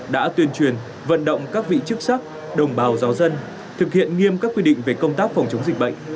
đã tuyên truyền vận động các vị chức sắc đồng bào giáo dân thực hiện nghiêm các quy định về công tác phòng chống dịch bệnh